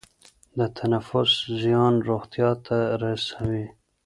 د تنفس زیان روغتیا ته رسوي.